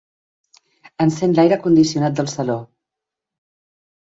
Encén l'aire condicionat del saló.